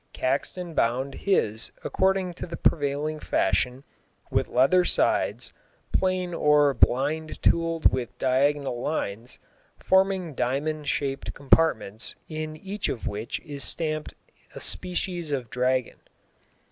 Caxton bound his according to the prevailing fashion, with leather sides, plain or blind tooled with diagonal lines, forming diamond shaped compartments in each of which is stamped a species of dragon.